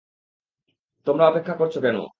তোমরা অপেক্ষা করছো কেন!